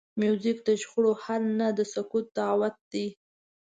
موزیک د شخړو حل نه، د سکون دعوت دی.